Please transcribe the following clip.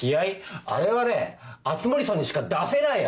あれはね熱護さんにしか出せない味だと。